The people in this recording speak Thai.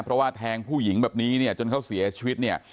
เพราะว่าแทงผู้หญิงแบบนี้เนี่ยจนเขาเสียชีวิตเนี่ย